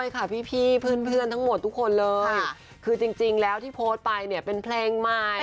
คือจริงแล้วที่โพสต์ไปเนี่ยเป็นเพลงใหม่